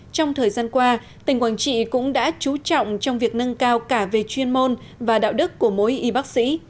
trong thời gian qua tỉnh quảng trị cũng đã chú trọng trong việc nâng cao cả về chuyên môn và đạo đức của mỗi y bác sĩ